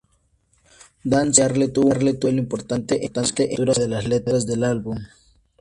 Dan Searle tuvo un papel importante en la escritura de las letras del álbum.